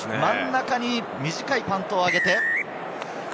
真ん中に短いパントを上げて。